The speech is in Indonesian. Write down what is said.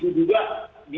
karena tentunya kita memilih